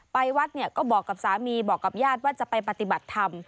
วัดเนี่ยก็บอกกับสามีบอกกับญาติว่าจะไปปฏิบัติธรรม